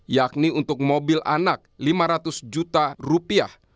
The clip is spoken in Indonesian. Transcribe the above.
yakni untuk mobil anak lima ratus juta rupiah